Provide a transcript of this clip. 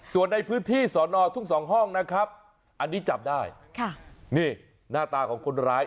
ส่วนในพื้นที่สอนอทุ่งสองห้องนะครับอันนี้จับได้ค่ะนี่หน้าตาของคนร้าย